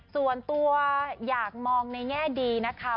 ส่วนตัวอยากมองในแง่ดีนะคะ